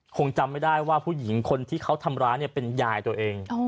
คงจำไม่ได้ว่าผู้หญิงคนที่เขาทำร้ายเนี่ยเป็นยายตัวเอง